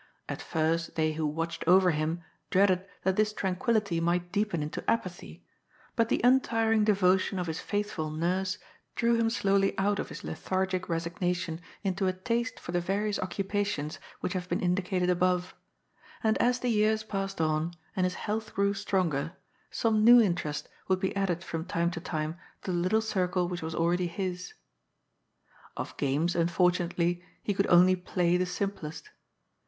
At first they who watched over him dreaded that this tranquillity might deepen into apathy, but the untiring devotion of his faithful nurse drew him slowly out of his lethargic resignation into a taste for the various occupations which have been indicated above. And as the years passed on, and his health grew stronger, some new interest would be added from time to time to the little circle which was already his. Of games, unfortunately, he could only play the simplest.